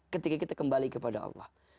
ketika kita kembali kepada allah